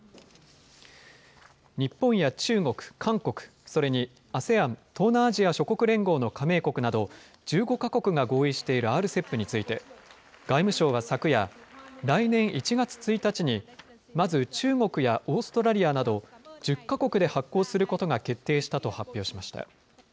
日本や中国、韓国、それにＡＳＥＡＮ・東南アジア諸国連合など１５か国が合意しているＲＣＥＰについて、外務省は昨夜、来年１月１日に、まず中国やオーストラリアなど、１０か国で発効することが決定したと発表しました。